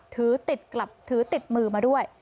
ถือติดกลับถือติดมือมาด้วย